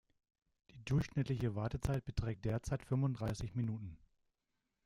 Die durchschnittliche Wartezeit beträgt derzeit fünfunddreißig Minuten.